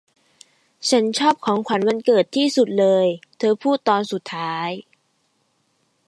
'ฉันชอบของขวัญวันเกิดที่สุดเลย' เธอพูดตอนสุดท้าย